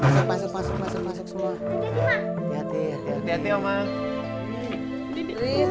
masuk masuk masuk